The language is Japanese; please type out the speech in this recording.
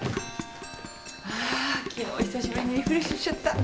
ああ昨日久しぶりにリフレッシュしちゃった。